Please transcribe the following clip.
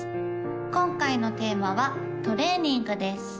今回のテーマは「トレーニング」です